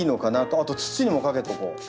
あと土にもかけておこう。